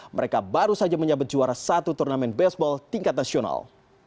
mereka baru saja menyabet juara satu turnamen baseball tingkat nasional